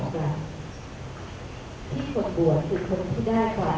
สวัสดีครับสวัสดีครับ